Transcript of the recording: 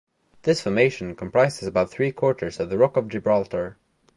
This formation comprises about three quarters of the Rock of Gibraltar.